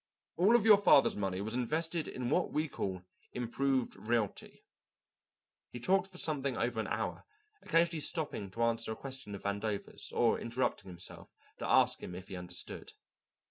"All of your father's money was invested in what we call 'improved realty.'" He talked for something over an hour, occasionally stopping to answer a question of Vandover's, or interrupting himself to ask him if he understood.